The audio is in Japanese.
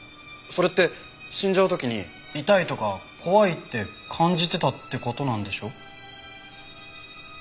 それって死んじゃう時に痛いとか怖いって感じてたって事なんでしょ？